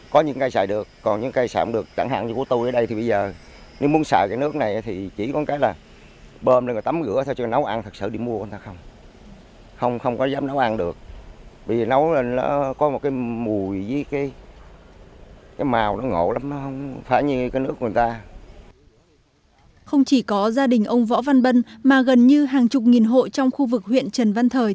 không chỉ có gia đình ông võ văn bân mà gần như hàng chục nghìn hộ trong khu vực huyện trần văn thời